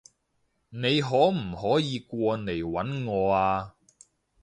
你可唔可以過嚟搵我啊？